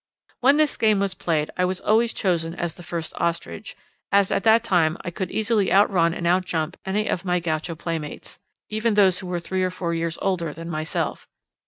When this game was played I was always chosen as first ostrich, as at that time I could easily outrun and out jump any of my gauche playmates, even those who were three or four years older than myself.